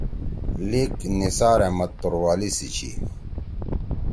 لیِکھ: نثار احمد توروالی